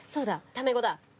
タメ語だ。